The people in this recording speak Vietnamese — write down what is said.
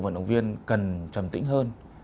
vận động viên cần trầm tĩnh hơn